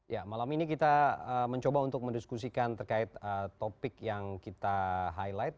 ya malam ini kita mencoba untuk mendiskusikan terkait topik yang kita highlight